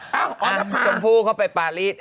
จมพูเข้าไปปาลี